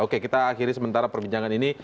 oke kita akhiri sementara perbincangan ini